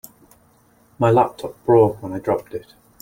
My laptop broke when I dropped it.